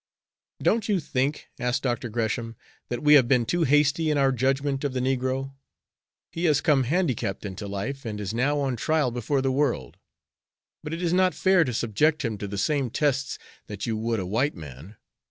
"Don't you think," asked Dr. Gresham, "that we have been too hasty in our judgment of the negro? He has come handicapped into life, and is now on trial before the world. But it is not fair to subject him to the same tests that you would a white man.